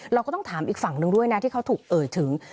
เราก็ต้องถามอีกฝั่งหนึ่งด้วยนะที่เขาถูกเอ่ยถึง